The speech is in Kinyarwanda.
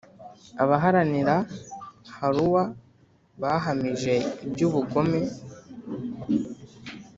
abaharanira haruwa bahamije iby’ubugome